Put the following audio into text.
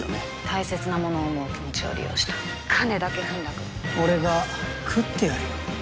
大切なものを思う気持ちを利用した金だけふんだくる俺が喰ってやるよ